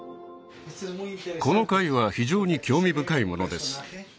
この貝は非常に興味深いものです